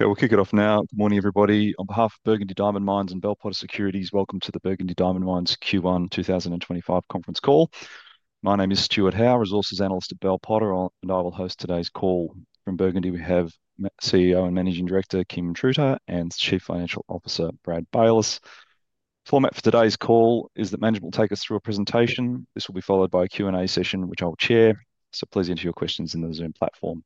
Okay, we'll kick it off now. Good morning, everybody. On behalf of Burgundy Diamond Mines and Bell Potter Securities, welcome to the Burgundy Diamond Mines Q1 2025 Conference call. My name is Stuart Howe, Resources Analyst at Bell Potter, and I will host today's call. From Burgundy, we have CEO and Managing Director Kim Truter and Chief Financial Officer Brad Baylis. The format for today's call is that management will take us through a presentation. This will be followed by a Q&A session, which I will chair, so please enter your questions in the Zoom platform.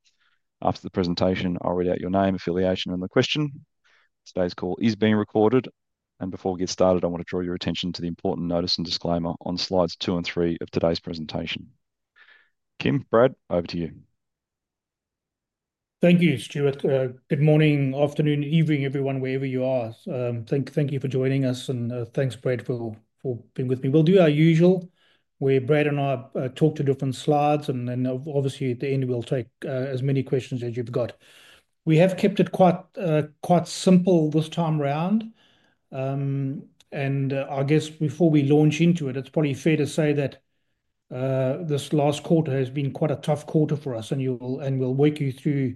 After the presentation, I'll read out your name, affiliation, and the question. Today's call is being recorded, and before we get started, I want to draw your attention to the important notice and disclaimer on slides two and three of today's presentation. Kim, Brad, over to you. Thank you, Stuart. Good morning, afternoon, evening, everyone, wherever you are. Thank you for joining us, and thanks, Brad, for being with me. We'll do our usual, where Brad and I talk to different slides, and then obviously at the end, we'll take as many questions as you've got. We have kept it quite simple this time around, and I guess before we launch into it, it's probably fair to say that this last quarter has been quite a tough quarter for us, and we'll walk you through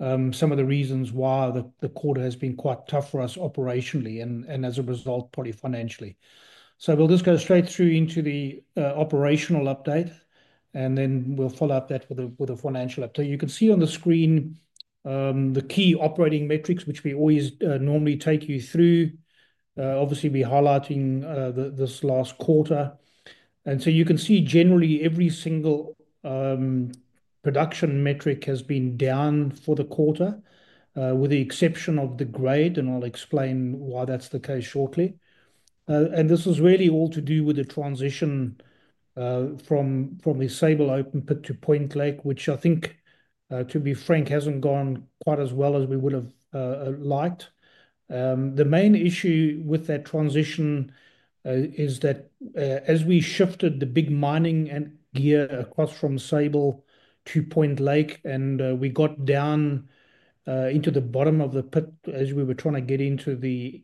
some of the reasons why the quarter has been quite tough for us operationally and, as a result, probably financially. We'll just go straight through into the operational update, and then we'll follow up that with a financial update. You can see on the screen the key operating metrics, which we always normally take you through. Obviously, we're highlighting this last quarter. You can see generally every single production metric has been down for the quarter, with the exception of the grade. I'll explain why that's the case shortly. This is really all to do with the transition from the Sable Open Pit to Point Lake, which, to be frank, hasn't gone quite as well as we would have liked. The main issue with that transition is that as we shifted the big mining gear across from Sable to Point Lake and we got down into the bottom of the pit as we were trying to get into the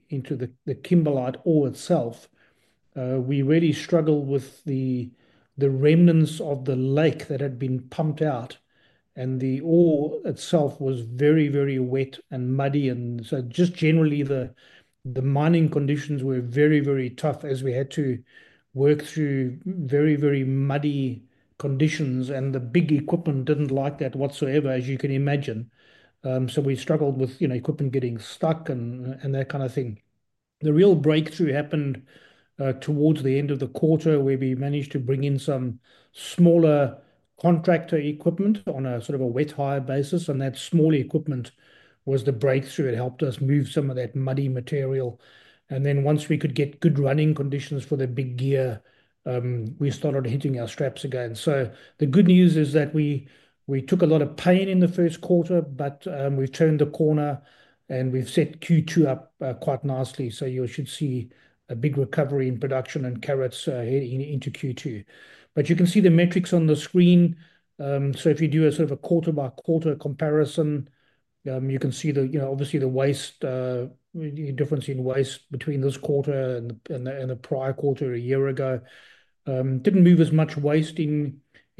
kimberlite ore itself, we really struggled with the remnants of the lake that had been pumped out, and the ore itself was very, very wet and muddy. Just generally, the mining conditions were very, very tough as we had to work through very, very muddy conditions, and the big equipment did not like that whatsoever, as you can imagine. We struggled with equipment getting stuck and that kind of thing. The real breakthrough happened towards the end of the quarter where we managed to bring in some smaller contractor equipment on a sort of wet-hire basis, and that small equipment was the breakthrough. It helped us move some of that muddy material. Once we could get good running conditions for the big gear, we started hitting our straps again. The good news is that we took a lot of pain in the first quarter, but we have turned the corner and we have set Q2 up quite nicely. You should see a big recovery in production and carats into Q2. You can see the metrics on the screen. If you do a sort of a quarter-by-quarter comparison, you can see obviously the difference in waste between this quarter and the prior quarter a year ago. Did not move as much waste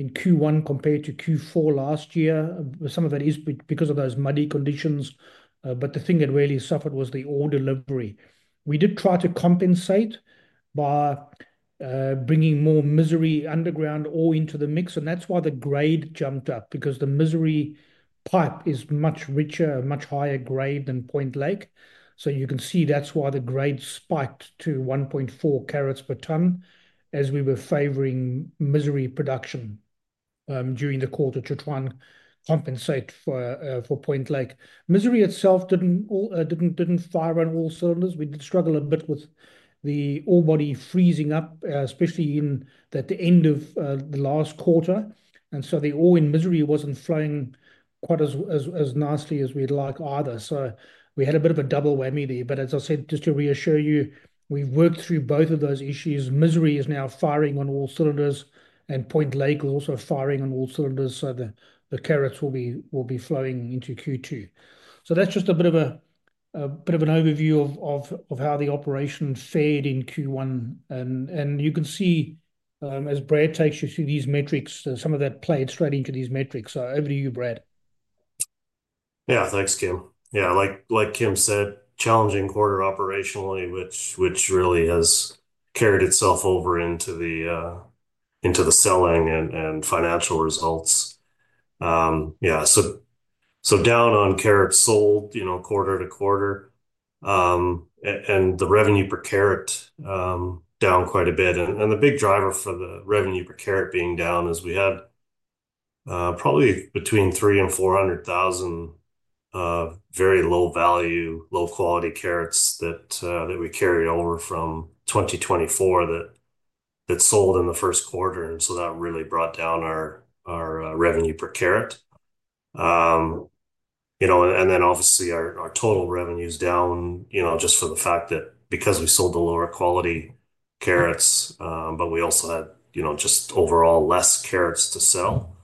in Q1 compared to Q4 last year. Some of it is because of those muddy conditions, but the thing that really suffered was the ore delivery. We did try to compensate by bringing more Misery underground ore into the mix, and that is why the grade jumped up, because the Misery pipe is much richer, much higher grade than Point Lake. You can see that is why the grade spiked to 1.4 carats per tonne as we were favoring Misery production during the quarter to try and compensate for Point Lake. Misery itself did not fire on all cylinders. We did struggle a bit with the ore body freezing up, especially in the end of the last quarter. The ore in Misery was not flowing quite as nicely as we would like either. We had a bit of a double whammy there. As I said, just to reassure you, we have worked through both of those issues. Misery is now firing on all cylinders, and Point Lake is also firing on all cylinders, so the carats will be flowing into Q2. That is just a bit of an overview of how the operation fared in Q1. You can see as Brad takes you through these metrics, some of that played straight into these metrics. Over to you, Brad. Yeah, thanks, Kim. Yeah, like Kim said, challenging quarter operationally, which really has carried itself over into the selling and financial results. Yeah, down on carats sold quarter-to-quarter, and the revenue per carat down quite a bit. The big driver for the revenue per carat being down is we had probably between 300,000-400,000 very low-value, low-quality carats that we carried over from 2024 that sold in the first quarter. That really brought down our revenue per carat. Obviously, our total revenue is down just for the fact that because we sold the lower quality carats, but we also had just overall less carats to sell,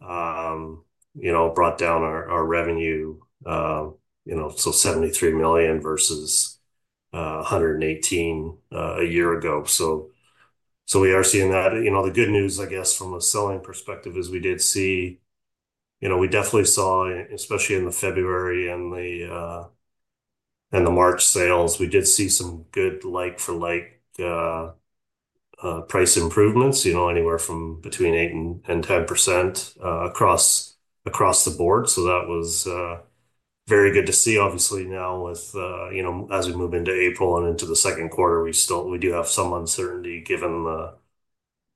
brought down our revenue, $73 million versus $118 million a year ago. We are seeing that. The good news, I guess, from a selling perspective is we did see we definitely saw, especially in the February and the March sales, we did see some good like-for-like price improvements, anywhere from between 8-10% across the board. That was very good to see. Obviously, now as we move into April and into the second quarter, we do have some uncertainty given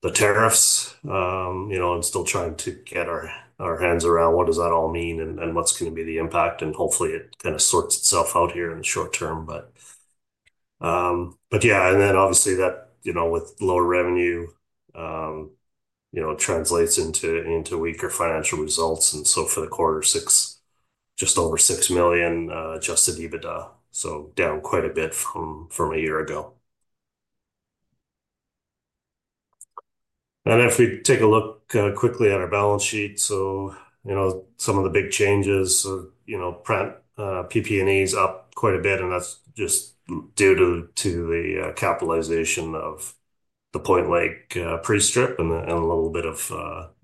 the tariffs. I'm still trying to get our hands around what does that all mean and what's going to be the impact. Hopefully, it kind of sorts itself out here in the short term. Yeah, and then obviously that with lower revenue translates into weaker financial results. For the quarter, just over $6 million adjusted EBITDA, so down quite a bit from a year ago. If we take a look quickly at our balance sheet, some of the big changes, PP&E is up quite a bit, and that is just due to the capitalization of the Point Lake pre-strip and a little bit of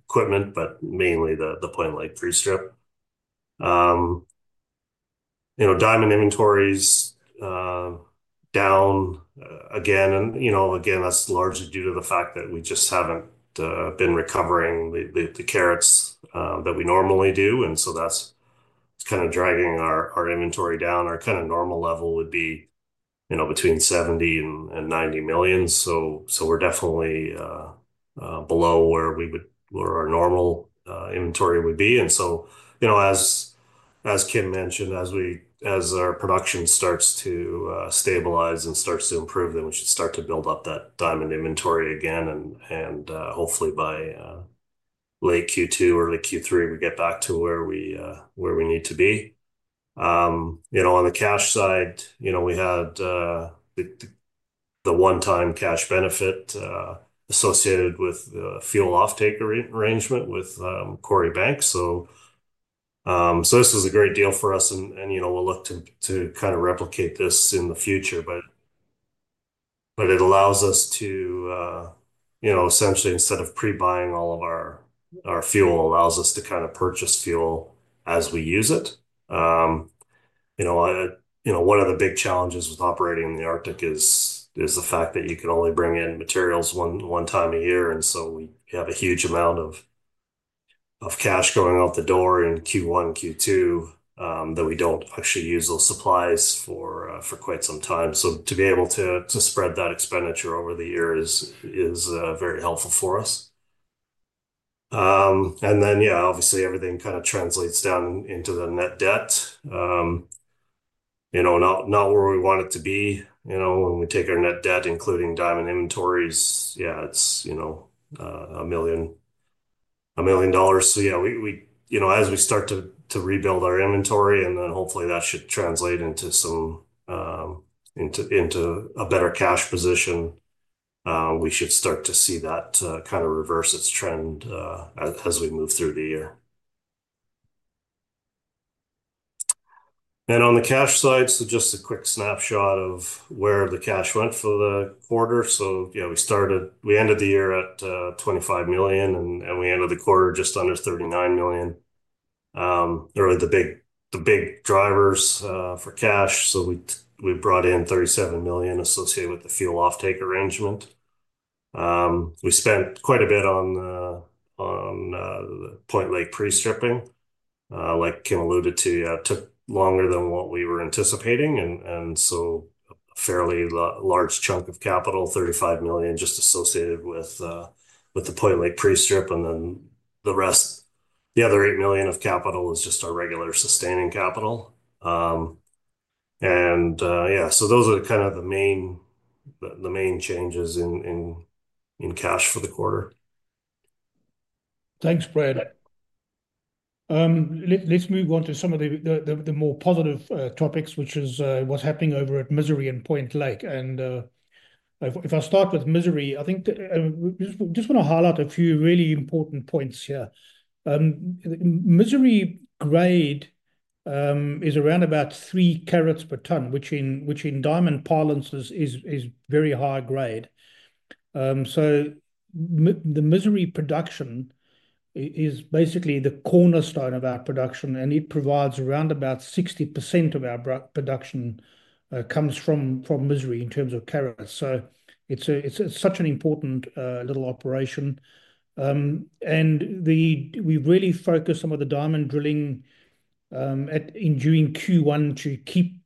equipment, but mainly the Point Lake pre-strip. Diamond inventories down again. That is largely due to the fact that we just have not been recovering the carats that we normally do. That is kind of dragging our inventory down. Our kind of normal level would be between 70 and 90 million. We are definitely below where our normal inventory would be. As Kim mentioned, as our production starts to stabilize and starts to improve, we should start to build up that diamond inventory again. Hopefully, by late Q2 or late Q3, we get back to where we need to be. On the cash side, we had the one-time cash benefit associated with the fuel offtake arrangement with Quarry Bank. This was a great deal for us, and we'll look to kind of replicate this in the future. It allows us to essentially, instead of pre-buying all of our fuel, purchase fuel as we use it. One of the big challenges with operating in the Arctic is the fact that you can only bring in materials one time a year. We have a huge amount of cash going out the door in Q1, Q2 that we do not actually use those supplies for quite some time. To be able to spread that expenditure over the year is very helpful for us. Yeah, obviously, everything kind of translates down into the net debt. Not where we want it to be. When we take our net debt, including diamond inventories, yeah, it's a million dollars. Yeah, as we start to rebuild our inventory, and then hopefully that should translate into a better cash position, we should start to see that kind of reverse its trend as we move through the year. On the cash side, just a quick snapshot of where the cash went for the quarter. We ended the year at $25 million, and we ended the quarter just under $39 million. The big drivers for cash, we brought in $37 million associated with the fuel offtake arrangement. We spent quite a bit on the Point Lake pre-stripping. Like Kim alluded to, it took longer than what we were anticipating. A fairly large chunk of capital, 35 million, just associated with the Point Lake pre-strip. The rest, the other $8 million of capital, is just our regular sustaining capital. Yeah, so those are kind of the main changes in cash for the quarter. Thanks, Brad. Let's move on to some of the more positive topics, which is what's happening over at Misery and Point Lake. If I start with Misery, I think I just want to highlight a few really important points here. Misery grade is around about Three carats per tonne, which in diamond parlance is very high grade. The Misery production is basically the cornerstone of our production, and it provides around about 60% of our production comes from Misery in terms of carats. It is such an important little operation. We really focus some of the diamond drilling during Q1 to keep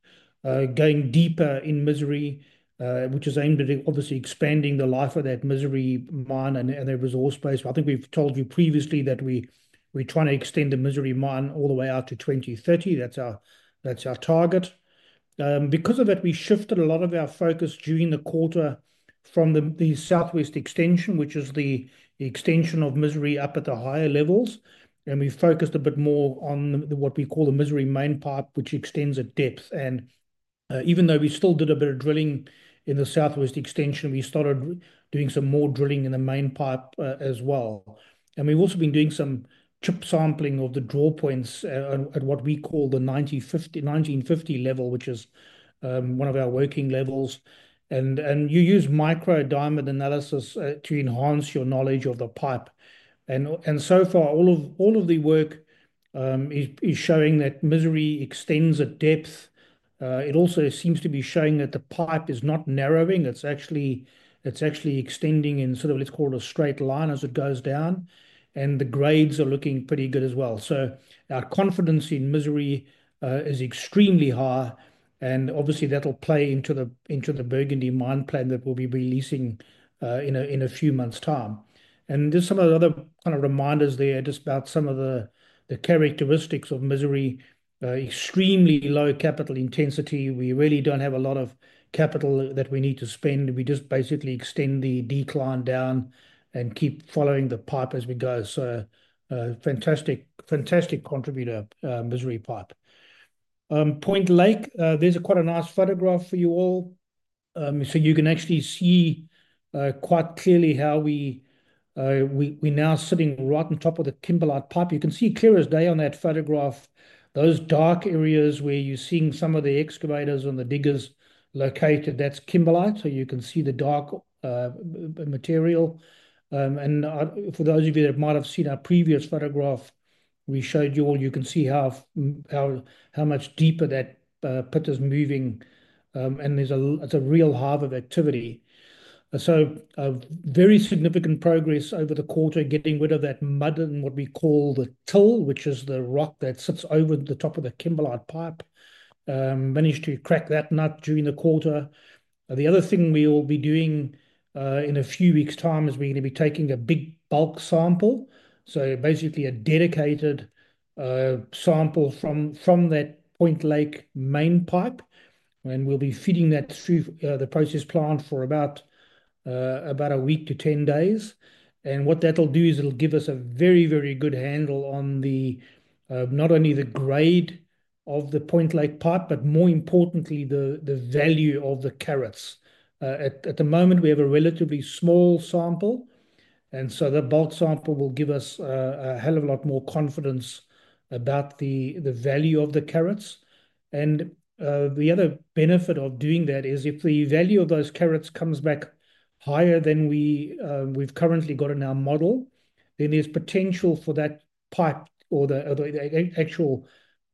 going deeper in Misery, which is aimed at obviously expanding the life of that Misery mine and their resource base. I think we've told you previously that we're trying to extend the Misery mine all the way out to 2030. That's our target. Because of that, we shifted a lot of our focus during the quarter from the southwest extension, which is the extension of Misery up at the higher levels. We focused a bit more on what we call the Misery main pipe, which extends at depth. Even though we still did a bit of drilling in the southwest extension, we started doing some more drilling in the main pipe as well. We have also been doing some chip sampling of the draw points at what we call the 1950 level, which is one of our working levels. You use micro diamond analysis to enhance your knowledge of the pipe. So far, all of the work is showing that Misery extends at depth. It also seems to be showing that the pipe is not narrowing. It's actually extending in sort of, let's call it a straight line as it goes down. The grades are looking pretty good as well. Our confidence in Misery is extremely high. Obviously, that'll play into the Burgundy Diamond Mines Plan that we'll be releasing in a few months' time. There are some of the other kind of reminders there just about some of the characteristics of Misery. Extremely low capital intensity. We really don't have a lot of capital that we need to spend. We just basically extend the decline down and keep following the pipe as we go. Fantastic contributor, Misery pipe. Point Lake, there's quite a nice photograph for you all. You can actually see quite clearly how we're now sitting right on top of the kimberlite pipe. You can see clear as day on that photograph. Those dark areas where you're seeing some of the excavators and the diggers located, that's Kimberlite. You can see the dark material. For those of you that might have seen our previous photograph we showed you all, you can see how much deeper that pit is moving. It's a real hive of activity. Very significant progress over the quarter, getting rid of that mud and what we call the till, which is the rock that sits over the top of the Kimberlite pipe. Managed to crack that nut during the quarter. The other thing we'll be doing in a few weeks' time is we're going to be taking a big bulk sample. Basically a dedicated sample from that Point Lake main pipe. We'll be feeding that through the process plant for about a week to 10 days. What that'll do is it'll give us a very, very good handle on not only the grade of the Point Lake pipe, but more importantly, the value of the carats. At the moment, we have a relatively small sample. The bulk sample will give us a hell of a lot more confidence about the value of the carats. The other benefit of doing that is if the value of those carats comes back higher than we've currently got in our model, then there's potential for that pipe or the actual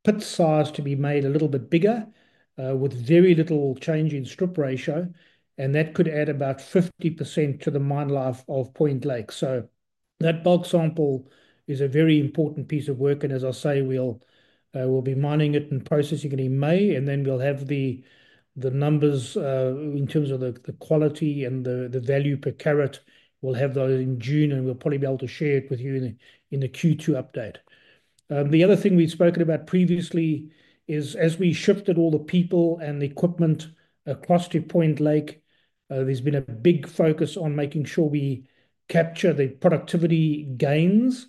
pit size to be made a little bit bigger with very little change in strip ratio. That could add about 50% to the mine life of Point Lake. That bulk sample is a very important piece of work. As I say, we'll be mining it and processing it in May. We will have the numbers in terms of the quality and the value per carat. We will have those in June, and we will probably be able to share it with you in the Q2 update. The other thing we have spoken about previously is as we shifted all the people and the equipment across to Point Lake, there has been a big focus on making sure we capture the productivity gains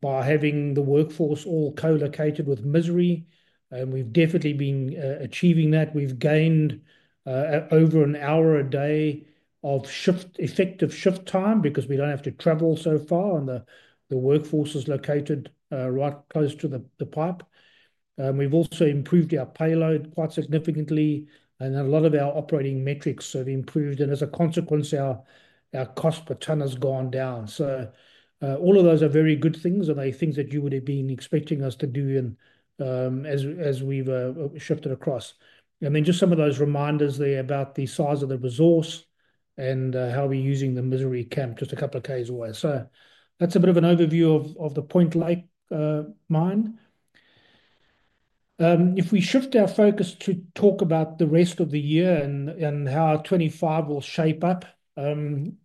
by having the workforce all co-located with Misery. We have definitely been achieving that. We have gained over an hour a day of effective shift time because we do not have to travel so far, and the workforce is located right close to the pipe. We have also improved our payload quite significantly. A lot of our operating metrics have improved. As a consequence, our cost per tonne has gone down. All of those are very good things, and they are things that you would have been expecting us to do as we have shifted across. I mean, just some of those reminders there about the size of the resource and how we are using the Misery camp just a couple of days away. That is a bit of an overview of the Point Lake mine. If we shift our focus to talk about the rest of the year and how 2025 will shape up, I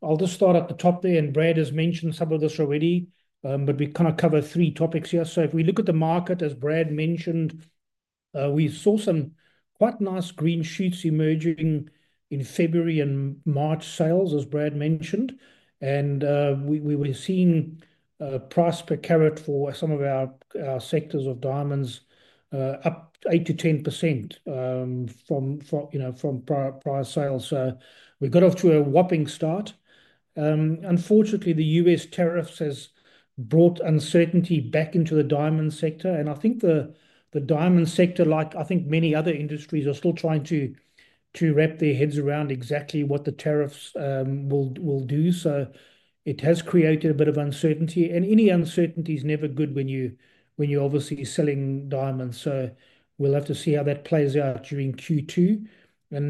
will just start at the top there. Brad has mentioned some of this already, but we kind of cover three topics here. If we look at the market, as Brad mentioned, we saw some quite nice green shoots emerging in February and March sales, as Brad mentioned. We were seeing price per carat for some of our sectors of diamonds up 8-10% from prior sales. We got off to a whopping start. Unfortunately, the US tariffs have brought uncertainty back into the diamond sector. I think the diamond sector, like many other industries, is still trying to wrap their heads around exactly what the tariffs will do. It has created a bit of uncertainty. Any uncertainty is never good when you're obviously selling diamonds. We will have to see how that plays out during Q2.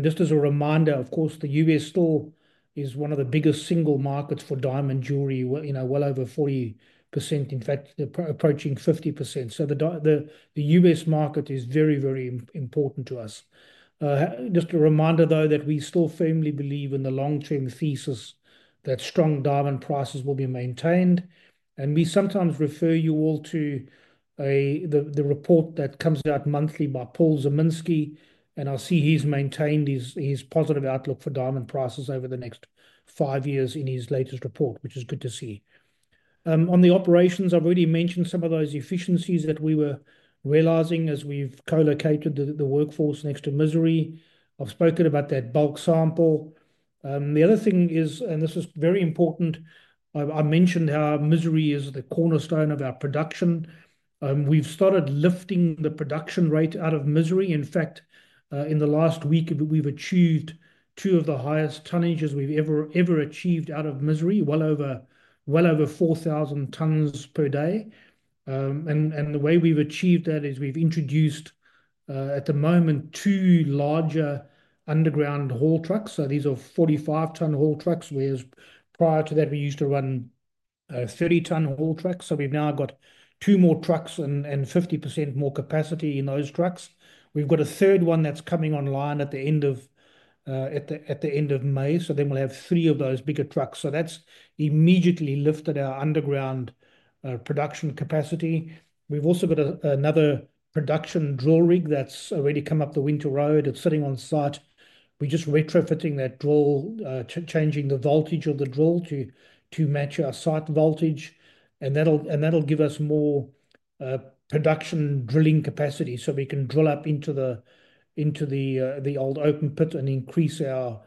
Just as a reminder, of course, the US still is one of the biggest single markets for diamond jewellery, well over 40%, in fact, approaching 50%. The US market is very, very important to us. Just a reminder, though, that we still firmly believe in the long-term thesis that strong diamond prices will be maintained. We sometimes refer you all to the report that comes out monthly by Paul Zimnisky. I see he's maintained his positive outlook for diamond prices over the next five years in his latest report, which is good to see. On the operations, I've already mentioned some of those efficiencies that we were realizing as we've co-located the workforce next to Misery. I've spoken about that bulk sample. The other thing is, and this is very important, I mentioned how Misery is the cornerstone of our production. We've started lifting the production rate out of Misery. In fact, in the last week, we've achieved two of the highest tonnages we've ever achieved out of Misery, well over 4,000 tonnes per day. The way we've achieved that is we've introduced, at the moment, two larger underground haul trucks. These are 45-tonne haul trucks, whereas prior to that, we used to run 30-tonne haul trucks. We've now got two more trucks and 50% more capacity in those trucks. We've got a third one that's coming online at the end of May. We will then have three of those bigger trucks. That has immediately lifted our underground production capacity. We've also got another production drill rig that's already come up the winter road. It's sitting on site. We're just retrofitting that drill, changing the voltage of the drill to match our site voltage. That will give us more production drilling capacity so we can drill up into the old open pit and increase our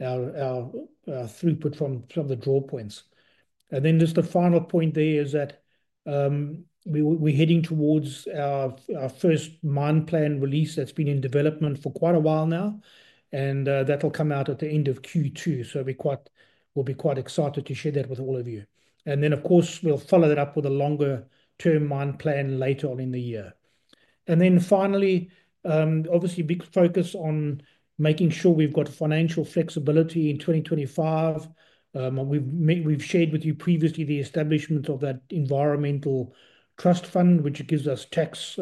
throughput from the draw points. The final point there is that we're heading towards our first mine plan release that's been in development for quite a while now. That'll come out at the end of Q2. We'll be quite excited to share that with all of you. Of course, we'll follow that up with a longer-term mine plan later on in the year. Finally, obviously, big focus on making sure we've got financial flexibility in 2025. We've shared with you previously the establishment of that environmental trust fund, which gives us tax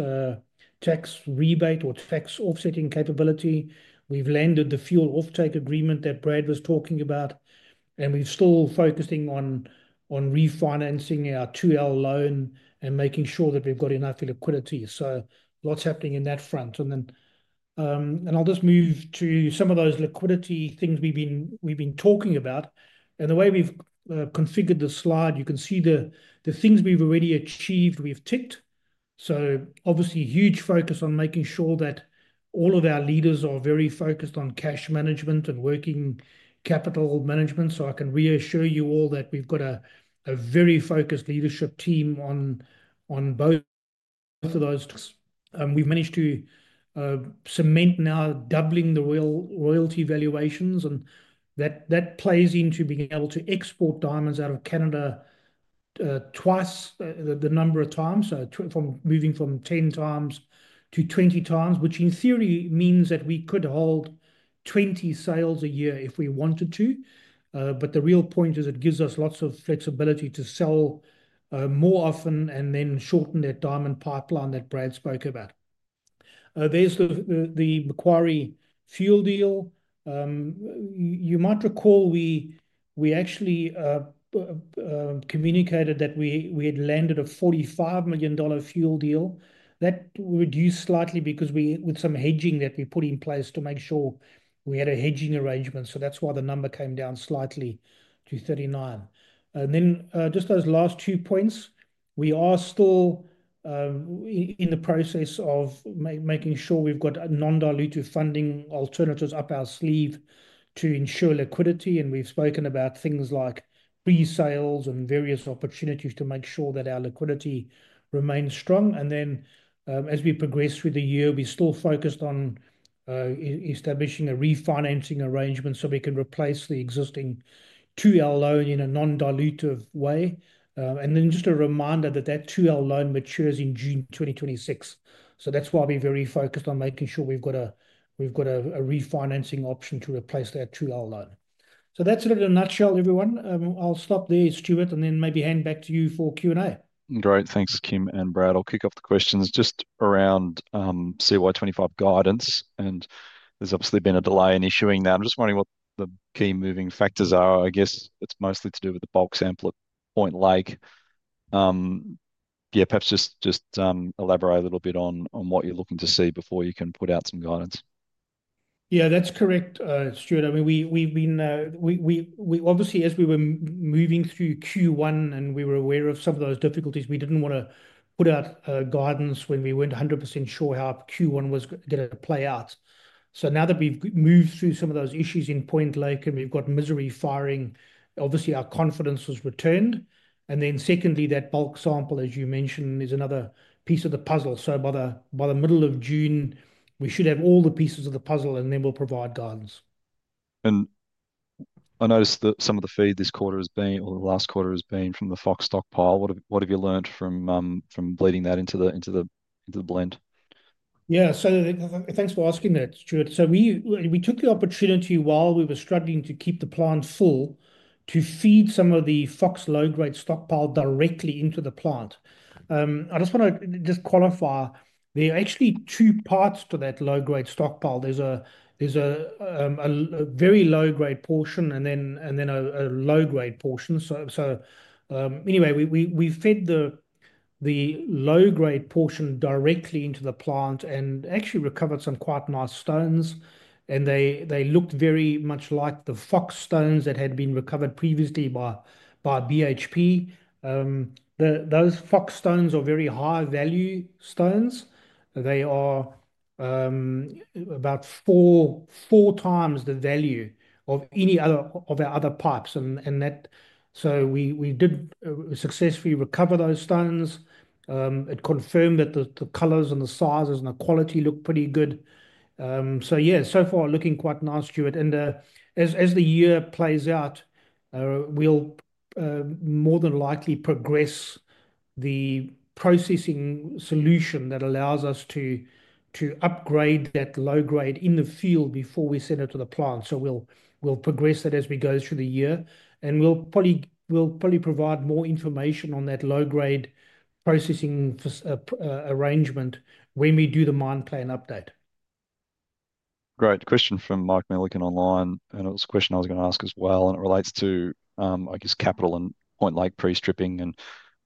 rebate or tax offsetting capability. We've landed the fuel offtake agreement that Brad was talking about. We're still focusing on refinancing our 2L loan and making sure that we've got enough liquidity. Lots happening in that front. I'll just move to some of those liquidity things we've been talking about. The way we've configured the slide, you can see the things we've already achieved, we've ticked. Obviously, huge focus on making sure that all of our leaders are very focused on cash management and working capital management. I can reassure you all that we've got a very focused leadership team on both of those tracks. We've managed to cement now doubling the royalty valuations. That plays into being able to export diamonds out of Canada twice the number of times, moving from 10 times to 20 times, which in theory means that we could hold 20 sales a year if we wanted to. The real point is it gives us lots of flexibility to sell more often and then shorten that diamond pipeline that Brad spoke about. There's the Macquarie fuel deal. You might recall we actually communicated that we had landed a $45 million fuel deal. That reduced slightly because with some hedging that we put in place to make sure we had a hedging arrangement. That is why the number came down slightly to $39 million. Just those last two points, we are still in the process of making sure we've got non-dilutive funding alternatives up our sleeve to ensure liquidity. We've spoken about things like pre-sales and various opportunities to make sure that our liquidity remains strong. As we progress through the year, we're still focused on establishing a refinancing arrangement so we can replace the existing 2L loan in a non-dilutive way. Just a reminder that that 2L loan matures in June 2026. That is why we're very focused on making sure we've got a refinancing option to replace that 2L loan. That's it in a nutshell, everyone. I'll stop there, Stuart, and then maybe hand back to you for Q&A. Great. Thanks, Kim and Brad. I'll kick off the questions just around CY25 guidance. There's obviously been a delay in issuing that. I'm just wondering what the key moving factors are. I guess it's mostly to do with the bulk sample at Point Lake. Perhaps just elaborate a little bit on what you're looking to see before you can put out some guidance. Yeah, that's correct, Stuart. I mean, obviously, as we were moving through Q1 and we were aware of some of those difficulties, we didn't want to put out guidance when we weren't 100% sure how Q1 was going to play out. Now that we've moved through some of those issues in Point Lake and we've got Misery firing, our confidence has returned. Secondly, that bulk sample, as you mentioned, is another piece of the puzzle. By the middle of June, we should have all the pieces of the puzzle, and then we'll provide guidance. I noticed that some of the feed this quarter has been, or the last quarter has been from the Fox stockpile. What have you learned from bleeding that into the blend? Yeah, thanks for asking that, Stuart. We took the opportunity while we were struggling to keep the plant full to feed some of the Fox low-grade stockpile directly into the plant. I just want to qualify. There are actually two parts to that low-grade stockpile. There is a very low-grade portion and then a low-grade portion. Anyway, we fed the low-grade portion directly into the plant and actually recovered some quite nice stones. They looked very much like the Fox stones that had been recovered previously by BHP. Those Fox stones are very high-value stones. They are about four times the value of any other of our other pipes. We did successfully recover those stones. It confirmed that the colors and the sizes and the quality looked pretty good. Yeah, so far looking quite nice, Stuart. As the year plays out, we'll more than likely progress the processing solution that allows us to upgrade that low-grade in the field before we send it to the plant. We'll progress that as we go through the year. We'll probably provide more information on that low-grade processing arrangement when we do the mine plan update. Great. Question from Mark Millican online. It was a question I was going to ask as well. It relates to, I guess, capital and Point Lake pre-stripping.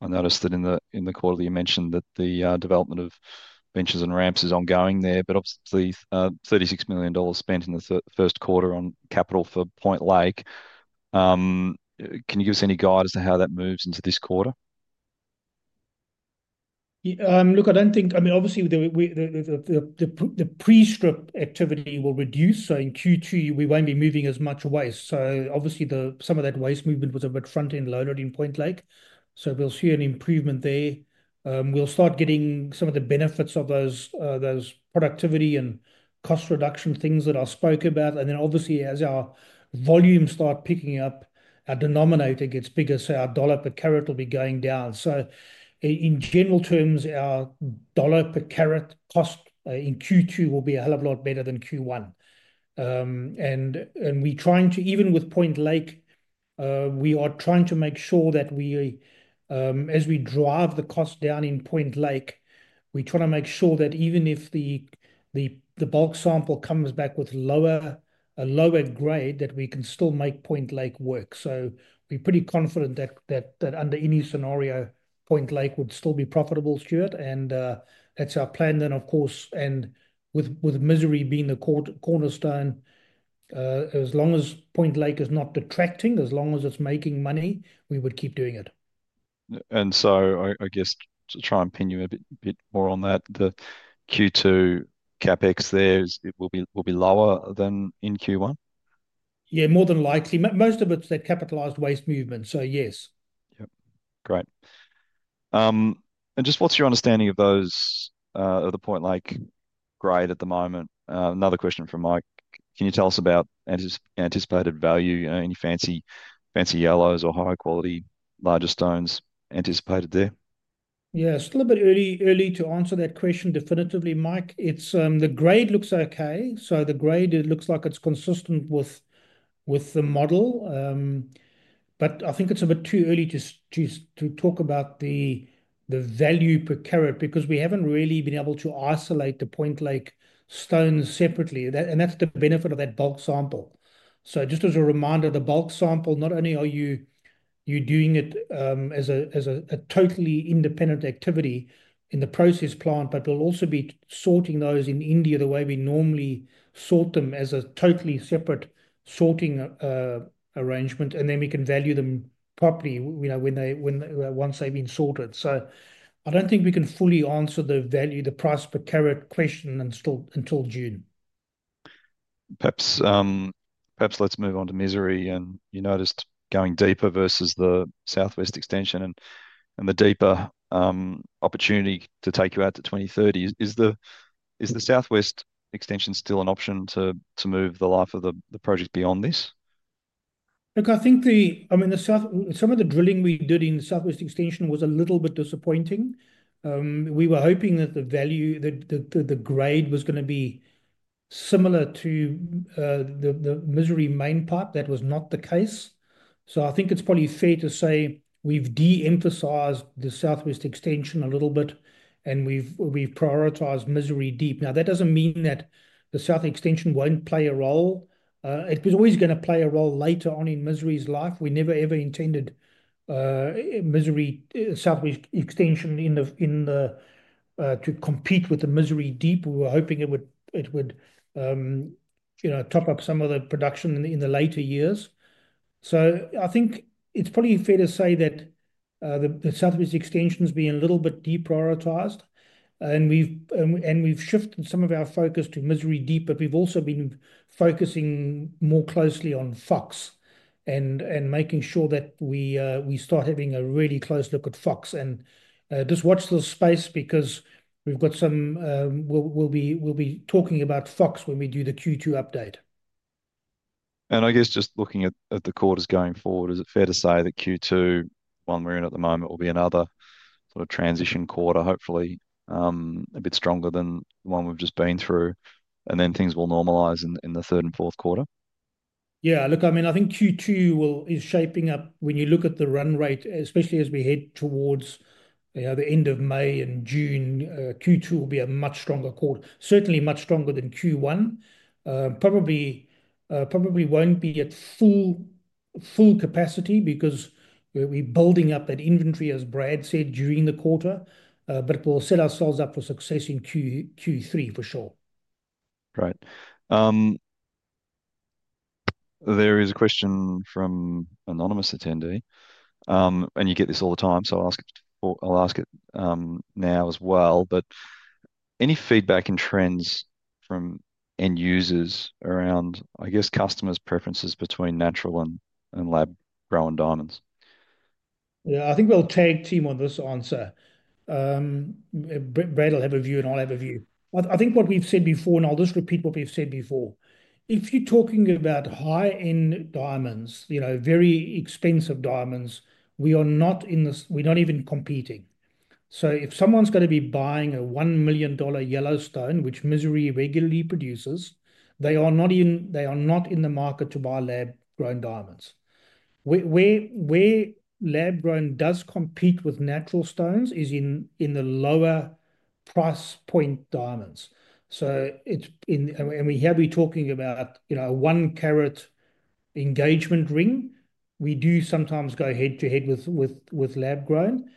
I noticed that in the quarter, you mentioned that the development of benches and ramps is ongoing there. Obviously, $36 million spent in the first quarter on capital for Point Lake. Can you give us any guidance on how that moves into this quarter? I do not think, I mean, obviously, the pre-strip activity will reduce. In Q2, we will not be moving as much waste. Obviously, some of that waste movement was a bit front-end loaded in Point Lake. We will see an improvement there. We will start getting some of the benefits of those productivity and cost reduction things that I spoke about. Obviously, as our volume starts picking up, our denominator gets bigger. Our dollar per carat will be going down. In general terms, our dollar per carat cost in Q2 will be a hell of a lot better than Q1. We're trying to, even with Point Lake, we are trying to make sure that as we drive the cost down in Point Lake, we try to make sure that even if the bulk sample comes back with a lower grade, we can still make Point Lake work. We're pretty confident that under any scenario, Point Lake would still be profitable, Stuart. That's our plan then, of course. With Misery being the cornerstone, as long as Point Lake is not detracting, as long as it's making money, we would keep doing it. I guess to try and pin you a bit more on that, the Q2 CapEx there, it will be lower than in Q1? Yeah, more than likely. Most of it's that capitalized waste movement. Yes. Yep. Great. What's your understanding of those at the Point Lake grade at the moment? Another question from Mike. Can you tell us about anticipated value, any fancy yellows or high-quality larger stones anticipated there? Yeah, still a bit early to answer that question, definitely, Mike. The grade looks okay. The grade looks like it's consistent with the model. I think it's a bit too early to talk about the value per carat because we haven't really been able to isolate the Point Lake stones separately. That's the benefit of that bulk sample. Just as a reminder, the bulk sample, not only are you doing it as a totally independent activity in the process plant, but we'll also be sorting those in India the way we normally sort them as a totally separate sorting arrangement. We can value them properly once they've been sorted. I do not think we can fully answer the value, the price per carat question until June. Perhaps let's move on to Misery. You noticed going deeper versus the southwest extension and the deeper opportunity to take you out to 2030. Is the southwest extension still an option to move the life of the project beyond this? I think the, I mean, some of the drilling we did in the southwest extension was a little bit disappointing. We were hoping that the value, that the grade was going to be similar to the Misery main pipe. That was not the case. I think it is probably fair to say we have de-emphasized the southwest extension a little bit, and we have prioritized Misery Deep. Now, that does not mean that the south extension will not play a role. It was always going to play a role later on in Misery's life. We never, ever intended Misery Southwest extension to compete with the Misery Deep. We were hoping it would top up some of the production in the later years. I think it is probably fair to say that the southwest extension has been a little bit deprioritized. We have shifted some of our focus to Misery Deep, but we have also been focusing more closely on Fox and making sure that we start having a really close look at Fox. Just watch the space because we've got some, we'll be talking about Fox when we do the Q2 update. I guess just looking at the quarters going forward, is it fair to say that Q2, the one we're in at the moment, will be another sort of transition quarter, hopefully a bit stronger than the one we've just been through, and then things will normalise in the third and fourth quarter? Yeah, look, I mean, I think Q2 is shaping up. When you look at the run rate, especially as we head towards the end of May and June, Q2 will be a much stronger quarter, certainly much stronger than Q1. Probably won't be at full capacity because we're building up that inventory, as Brad said, during the quarter, but we'll set ourselves up for success in Q3 for sure. Great. There is a question from anonymous attendee. You get this all the time, so I'll ask it now as well. Any feedback and trends from end users around, I guess, customers' preferences between natural and lab-grown diamonds? Yeah, I think we'll tag team on this answer. Brad will have a view, and I'll have a view. I think what we've said before, and I'll just repeat what we've said before. If you're talking about high-end diamonds, very expensive diamonds, we are not in this, we're not even competing. If someone's going to be buying a $1 million yellow stone, which Misery regularly produces, they are not in the market to buy lab-grown diamonds. Where lab-grown does compete with natural stones is in the lower price point diamonds. We have been talking about a one-carat engagement ring. We do sometimes go head-to-head with lab-grown.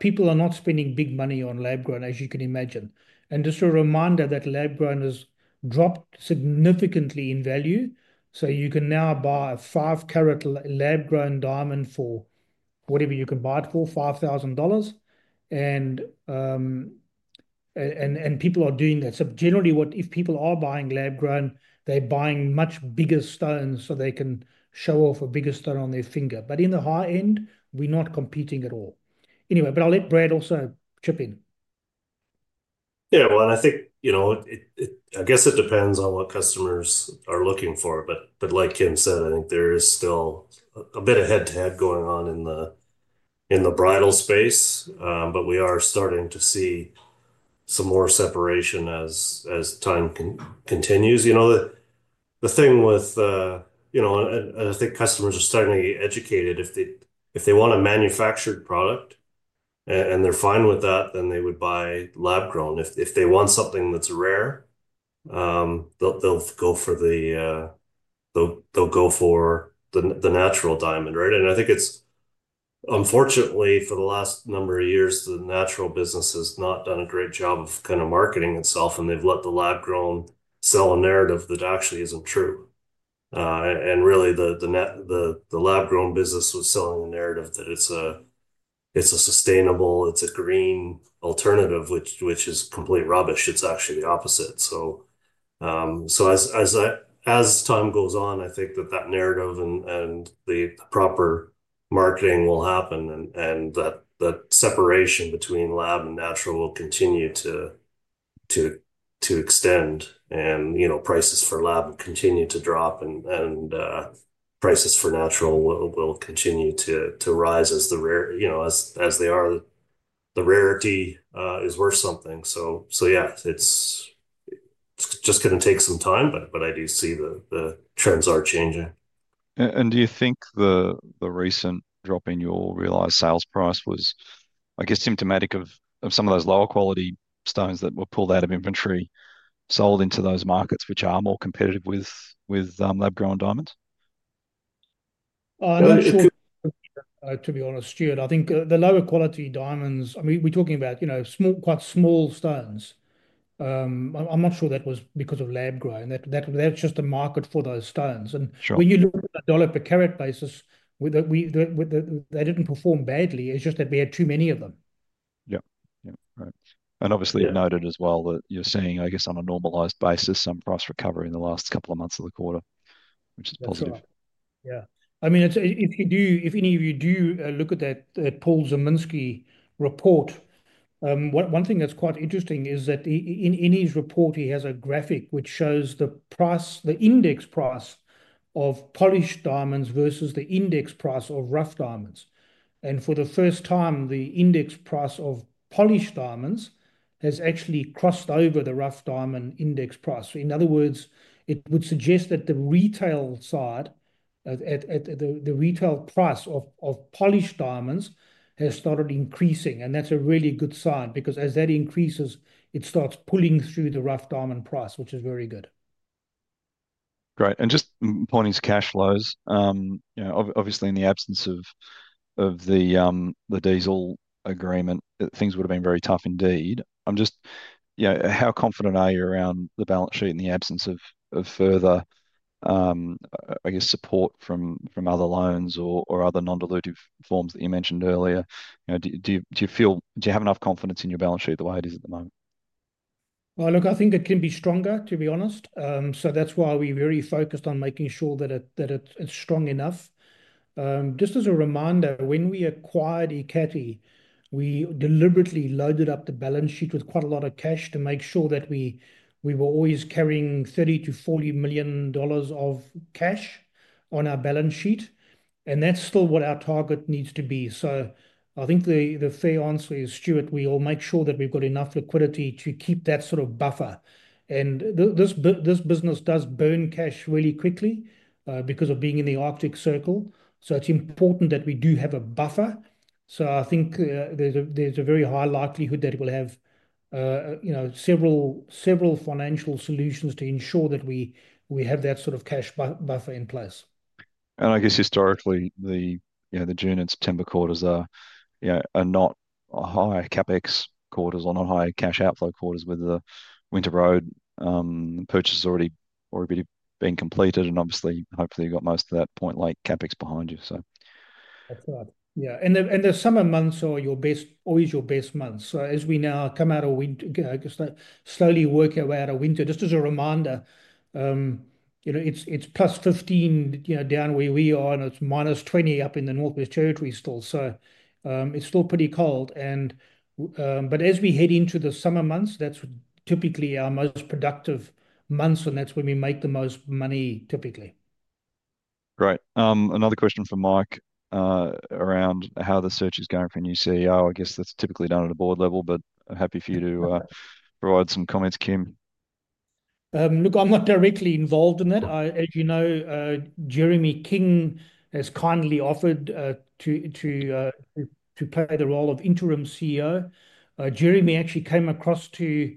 People are not spending big money on lab-grown, as you can imagine. Just a reminder that lab-grown has dropped significantly in value. You can now buy a five-carat lab-grown diamond for whatever you can buy it for, $5,000. People are doing that. Generally, if people are buying lab-grown, they are buying much bigger stones so they can show off a bigger stone on their finger. In the high end, we are not competing at all. Anyway, I will let Brad also chip in. I think it depends on what customers are looking for. Like Kim said, I think there is still a bit of head-to-head going on in the bridal space. We are starting to see some more separation as time continues. The thing is, I think customers are starting to get educated. If they want a manufactured product and they're fine with that, then they would buy lab-grown. If they want something that's rare, they'll go for the natural diamond, right? I think it's, unfortunately, for the last number of years, the natural business has not done a great job of kind of marketing itself. They've let the lab-grown sell a narrative that actually isn't true. Really, the lab-grown business was selling a narrative that it's a sustainable, it's a green alternative, which is complete rubbish. It's actually the opposite. As time goes on, I think that that narrative and the proper marketing will happen. That separation between lab and natural will continue to extend. Prices for lab will continue to drop. Prices for natural will continue to rise as they are. The rarity is worth something. Yeah, it's just going to take some time, but I do see the trends are changing. Do you think the recent drop in your realised sales price was, I guess, symptomatic of some of those lower quality stones that were pulled out of inventory, sold into those markets which are more competitive with lab-grown diamonds? To be honest, Stuart, I think the lower quality diamonds, I mean, we're talking about quite small stones. I'm not sure that was because of lab-grown. That's just the market for those stones. When you look at the dollar per carat basis, they didn't perform badly. It's just that we had too many of them. Yeah. Right. Obviously, I noted as well that you're seeing, I guess, on a normalised basis, some price recovery in the last couple of months of the quarter, which is positive. Yeah. I mean, if any of you do look at that Paul Zimnisky report, one thing that's quite interesting is that in his report, he has a graphic which shows the index price of polished diamonds versus the index price of rough diamonds. For the first time, the index price of polished diamonds has actually crossed over the rough diamond index price. In other words, it would suggest that the retail side, the retail price of polished diamonds has started increasing. That's a really good sign because as that increases, it starts pulling through the rough diamond price, which is very good. Great. Just pointing to cash flows, obviously, in the absence of the diesel agreement, things would have been very tough indeed. I'm just, how confident are you around the balance sheet in the absence of further, I guess, support from other loans or other non-dilutive forms that you mentioned earlier? Do you have enough confidence in your balance sheet the way it is at the moment? I think it can be stronger, to be honest. That's why we're very focused on making sure that it's strong enough. Just as a reminder, when we acquired Ekati, we deliberately loaded up the balance sheet with quite a lot of cash to make sure that we were always carrying $30 million-$40 million of cash on our balance sheet. That's still what our target needs to be. I think the fair answer is, Stuart, we will make sure that we've got enough liquidity to keep that sort of buffer. This business does burn cash really quickly because of being in the Arctic Circle. It is important that we do have a buffer. I think there is a very high likelihood that it will have several financial solutions to ensure that we have that sort of cash buffer in place. I guess historically, the June and September quarters are not high CapEx quarters or not high cash outflow quarters with the winter road purchase already being completed. Hopefully, you have got most of that Point Lake CapEx behind you. That is right. The summer months are always your best months. As we now come out of winter, slowly working out of winter, just as a reminder, it is plus 15 down where we are, and it is minus 20 up in the Northwest Territories still. It is still pretty cold. As we head into the summer months, that's typically our most productive months, and that's when we make the most money, typically. Great. Another question from Mike around how the search is going for a new CEO. I guess that's typically done at a board level, but happy for you to provide some comments, Kim. Look, I'm not directly involved in that. As you know, Jeremy King has kindly offered to play the role of interim CEO. Jeremy actually came across to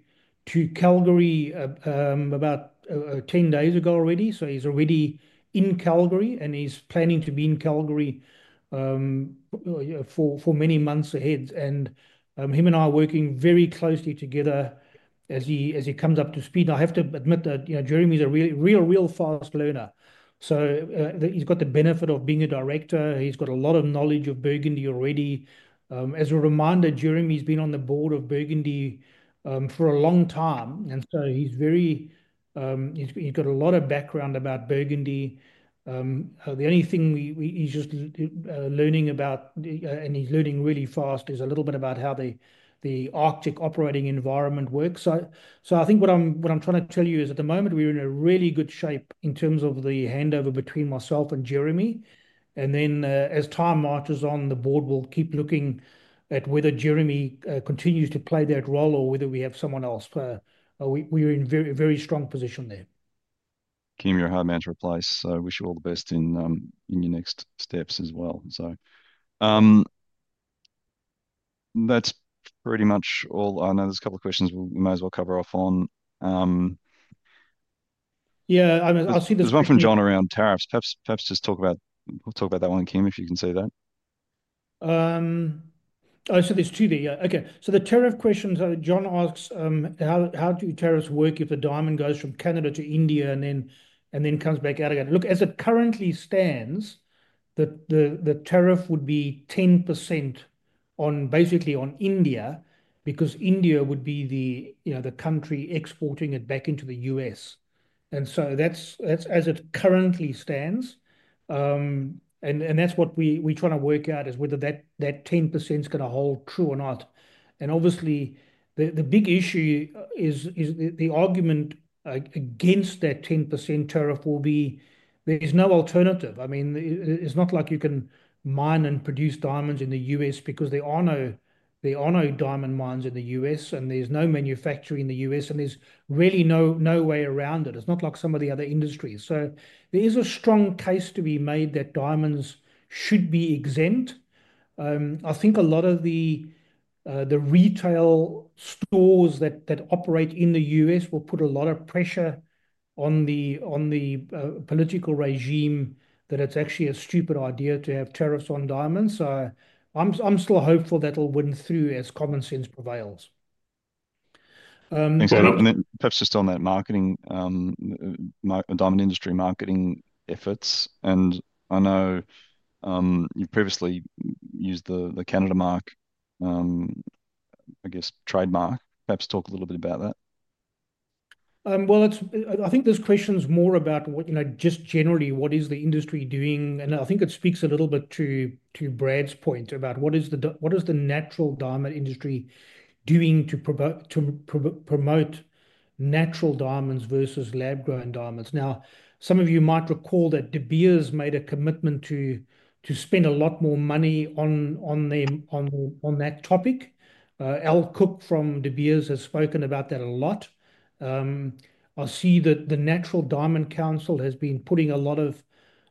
Calgary about 10 days ago already. He's already in Calgary, and he's planning to be in Calgary for many months ahead. Him and I are working very closely together as he comes up to speed. I have to admit that Jeremy is a real, real fast learner. He's got the benefit of being a director. He's got a lot of knowledge of Burgundy already. As a reminder, Jeremy's been on the board of Burgundy for a long time. He's got a lot of background about Burgundy. The only thing he's just learning about, and he's learning really fast, is a little bit about how the Arctic operating environment works. I think what I'm trying to tell you is at the moment, we're in really good shape in terms of the handover between myself and Jeremy. As time marches on, the board will keep looking at whether Jeremy continues to play that role or whether we have someone else. We're in a very strong position there. Kim, your hard manager replies, "Wish you all the best in your next steps as well." That's pretty much all. I know there's a couple of questions we might as well cover off on. Yeah, I'll see the. There's one from John around tariffs. Perhaps just talk about that one, Kim, if you can see that. Oh, so there's two there. Okay. The tariff questions John asks, how do tariffs work if a diamond goes from Canada to India and then comes back out again? Look, as it currently stands, the tariff would be 10% basically on India because India would be the country exporting it back into the US. That is as it currently stands. What we're trying to work out is whether that 10% is going to hold true or not. Obviously, the big issue is the argument against that 10% tariff will be there's no alternative. I mean, it's not like you can mine and produce diamonds in the US because there are no diamond mines in the US, and there's no manufacturing in the US, and there's really no way around it. It's not like some of the other industries. There is a strong case to be made that diamonds should be exempt. I think a lot of the retail stores that operate in the US will put a lot of pressure on the political regime that it's actually a stupid idea to have tariffs on diamonds. I'm still hopeful that'll win through as common sense prevails. Thanks a lot. Perhaps just on that marketing, diamond industry marketing efforts. I know you've previously used the Canada Mark, I guess, trademark. Perhaps talk a little bit about that. I think there's questions more about just generally, what is the industry doing? I think it speaks a little bit to Brad's point about what is the natural diamond industry doing to promote natural diamonds versus lab-grown diamonds. Now, some of you might recall that De Beers made a commitment to spend a lot more money on that topic. Al Cook from De Beers has spoken about that a lot. I see that the Natural Diamond Council has been putting a lot of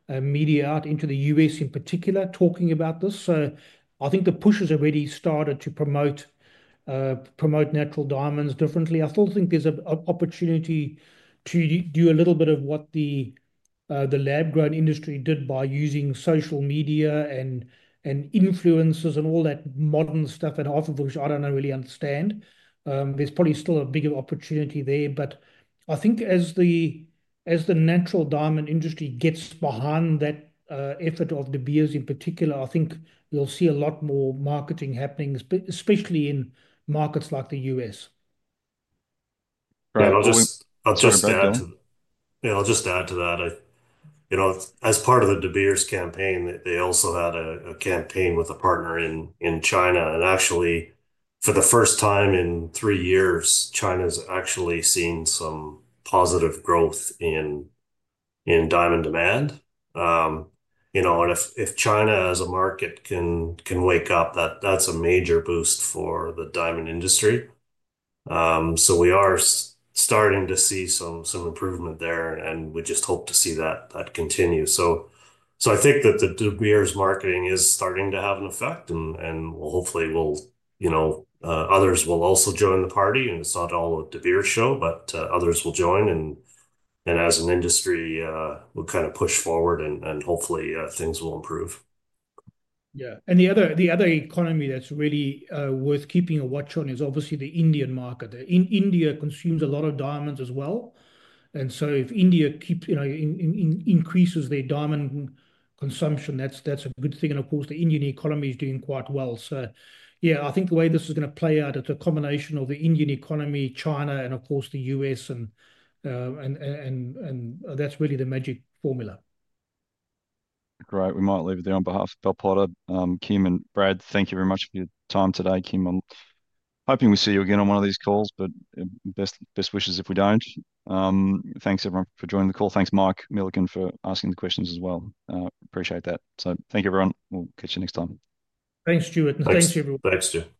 media out into the US, in particular, talking about this. I think the push has already started to promote natural diamonds differently. I still think there's an opportunity to do a little bit of what the lab-grown industry did by using social media and influences and all that modern stuff, and half of which I don't really understand. There's probably still a bigger opportunity there. I think as the natural diamond industry gets behind that effort of De Beers in particular, I think you'll see a lot more marketing happening, especially in markets like the US. Right. I'll just add to that. As part of the De Beers campaign, they also had a campaign with a partner in China. Actually, for the first time in three years, China has actually seen some positive growth in diamond demand. If China as a market can wake up, that's a major boost for the diamond industry. We are starting to see some improvement there, and we just hope to see that continue. I think that the De Beers marketing is starting to have an effect. Hopefully, others will also join the party. It is not all a De Beers show, but others will join. As an industry, we will kind of push forward, and hopefully, things will improve. Yeah. The other economy that is really worth keeping a watch on is obviously the Indian market. India consumes a lot of diamonds as well. If India increases their diamond consumption, that is a good thing. Of course, the Indian economy is doing quite well. Yeah, I think the way this is going to play out, it is a combination of the Indian economy, China, and of course, the US. That is really the magic formula. Great. We might leave it there on behalf of Bell Potter. Kim and Brad, thank you very much for your time today. Kim, I am hoping we see you again on one of these calls, but best wishes if we do not. Thanks, everyone, for joining the call. Thanks, Mike Millican, for asking the questions as well. Appreciate that. Thank you, everyone. We'll catch you next time. Thanks, Stuart. And thanks, everyone. Thanks, Stuart. Thanks.